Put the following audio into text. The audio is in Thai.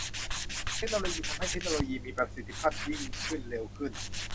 เทคโนโลยีทำให้เทคโนโลยีมีประสิทธิภาพยิ่งขึ้นเร็วขึ้น